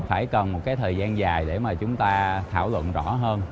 phải cần một thời gian dài để chúng ta thảo luận rõ hơn